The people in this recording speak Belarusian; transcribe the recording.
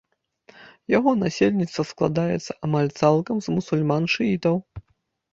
Яго насельніцтва складаецца амаль цалкам з мусульман-шыітаў.